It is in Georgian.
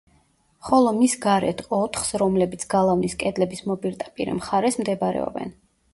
ხოლო მის გარეთ ოთხს, რომლებიც გალავნის კედლების მოპირდაპირე მხარეს მდებარეობენ.